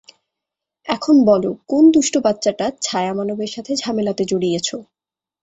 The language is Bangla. এখন বলো কোন দুষ্ট বাচ্চাটা ছায়া মানবের সাথে ঝামেলাতে জড়িয়েছ?